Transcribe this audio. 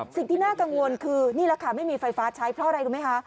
สิ่งที่น่ากังวลคือนี่แหละค่ะไม่มีไฟฟ้าใช้เพราะอะไรรู้ไหมคะ